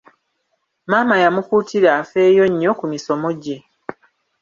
Maama yamukuutira afeeyo nnyo ku misomo gye.